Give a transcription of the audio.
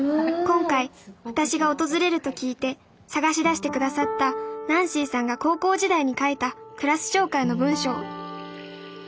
今回私が訪れると聞いて探し出してくださったナンシーさんが高校時代に書いたクラス紹介の文章「３